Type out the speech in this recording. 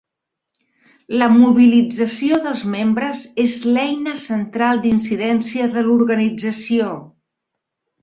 La mobilització dels membres és l'eina central d'incidència de l'organització.